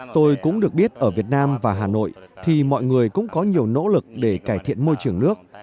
tôi cũng được biết ở việt nam và hà nội thì mọi người cũng có nhiều nỗ lực để cải thiện môi trường nước